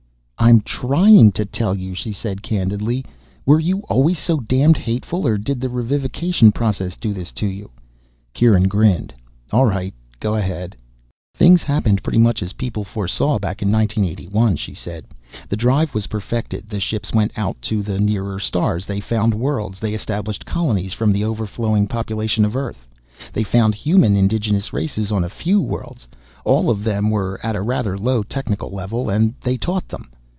"I'm trying to tell you." She asked candidly, "Were you always so damned hateful or did the revivification process do this to you?" Kieran grinned. "All right. Go ahead." "Things happened pretty much as people foresaw back in 1981," she said. "The drive was perfected. The ships went out to the nearer stars. They found worlds. They established colonies from the overflowing population of Earth. They found human indigenous races on a few worlds, all of them at a rather low technical level, and they taught them.